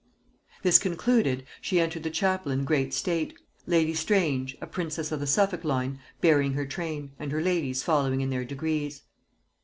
This concluded, she entered the chapel in great state; lady Strange, a princess of the Suffolk line, bearing her train, and her ladies following in their degrees.